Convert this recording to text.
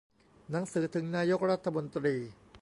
หนังสือถึงนายกรัฐมนตรี